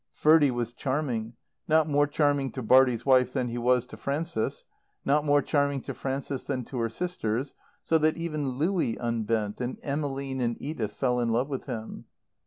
Ferdie was charming; not more charming to Bartie's wife than he was to Frances; not more charming to Frances than to her sisters; so that even Louie unbent, and Emmeline and Edith fell in love with him.